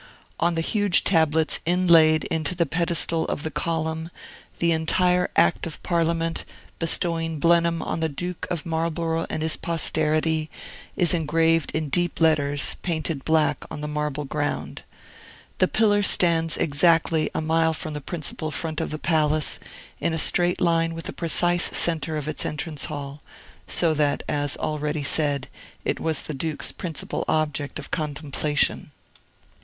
On the huge tablets inlaid into the pedestal of the column, the entire Act of Parliament, bestowing Blenheim on the Duke of Marlborough and his posterity, is engraved in deep letters, painted black on the marble ground. The pillar stands exactly a mile from the principal front of the palace, in a straight line with the precise centre of its entrance hall; so that, as already said, it was the Duke's principal object of contemplation.